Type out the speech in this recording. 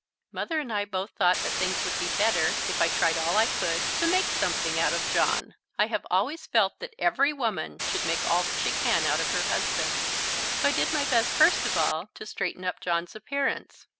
Mother and I both thought that things would be better if I tried all I could to make something out of John. I have always felt that every woman should make all that she can out of her husband. So I did my best first of all to straighten up John's appearance.